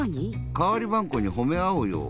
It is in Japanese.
かわりばんこにほめあおうよ。